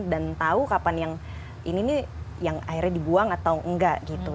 dan tahu kapan yang ini nih yang akhirnya dibuang atau enggak gitu